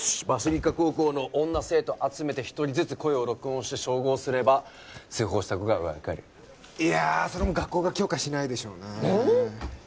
バシリカ高校の女生徒集めて一人ずつ声を録音して照合すれば通報した子が分かるいやそれも学校が許可しないでしょうねうん？